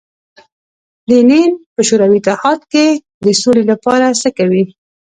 لینین په شوروي اتحاد کې د سولې لپاره څه کوي.